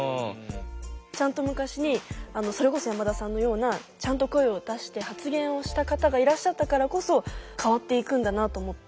ちゃんと昔にそれこそ山田さんのようなちゃんと声を出して発言をした方がいらっしゃったからこそ変わっていくんだなと思って。